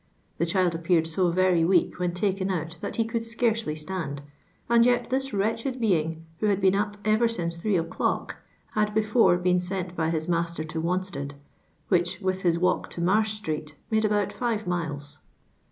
The chiUl appeared so very weak when taken out that he could scarcely stand, and yet this wretched being, who had been up ever since three o'clock, had befi>re been sent by his master to Wanstcad, which with his walk to Marsh street made about five miles."